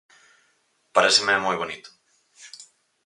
Paréceme moi bonito.